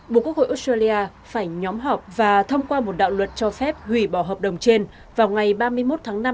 bộ quốc hội australia phải nhóm họp và thông qua một đạo luật cho phép hủy bỏ hợp đồng trên vào ngày ba mươi một tháng năm năm hai nghìn hai mươi ba